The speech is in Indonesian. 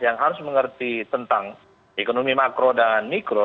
yang harus mengerti tentang ekonomi makro dan mikro